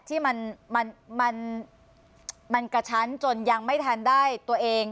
ที่มันกระชั้นจนยังไม่ทันได้ตัวเอง